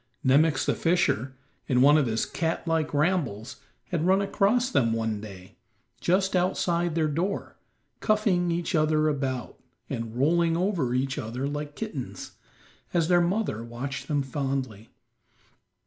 Nemox, the fisher, in one of his cat like rambles, had run across them one day, just outside their door, cuffing each other about, and rolling over each other like kittens, as their mother watched them fondly.